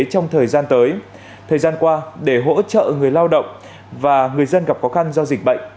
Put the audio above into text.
trong thời gian qua để hỗ trợ người lao động và người dân gặp khó khăn do dịch bệnh